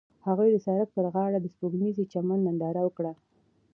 هغوی د سړک پر غاړه د سپوږمیز چمن ننداره وکړه.